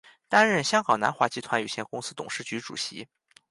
担任香港南华集团有限公司董事局主席。